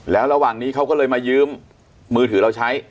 แล้วระหว่างนี้เขาก็เลยมายืมมือถือเราใช้